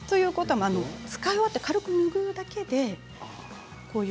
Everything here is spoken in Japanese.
使い終わって、軽く拭うだけで。